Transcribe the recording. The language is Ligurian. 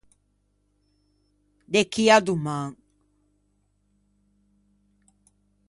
De chì à doman.